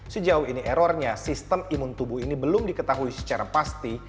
sejauh ini errornya sistem imun tubuh ini belum diketahui secara pasti